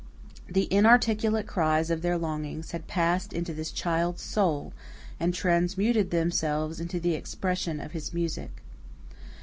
The inarticulate cries of their longings had passed into this child's soul, and transmuted themselves into the expression of his music.